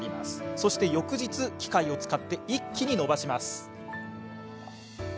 そして翌日機械を使って一気に伸ばします。